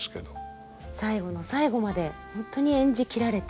最後の最後まで本当に演じ切られて？